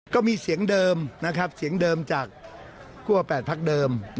ก็มีเสียงเดิมเสียงเดิมจากขั้ว๘พักเดิม